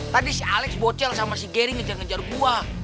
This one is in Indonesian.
tadi si alex bocel sama si garing ngejar ngejar gua